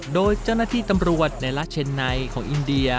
โดยเจ้าหน้าที่ตำรวจในราชเชนไนของอินเดีย